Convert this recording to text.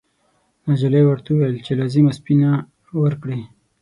نجلۍ ورته وویل چې لازمه سپینه ورکړي.